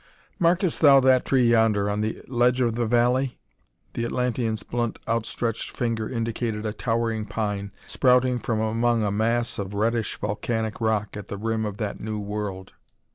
"Markest thou that tree yonder, on the ledge of the valley?" The Atlantean's blunt outstretched finger indicated a towering pine sprouting from among a mass of reddish volcanic rock at the rim of that new world.